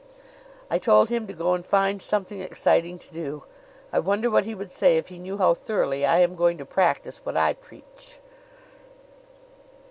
I told him to go and find something exciting to do. I wonder what he would say if he knew how thoroughly I am going to practice what I preach!"